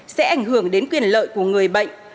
sẽ ảnh hưởng đến quyền lợi của người bệnh